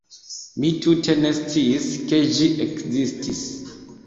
Mi tute ne sciis ke ĝi ekzistis.